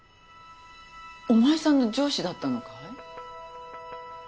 お前さんの上司だったのかい？